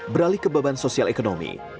beralih ke beban sosial ekonomi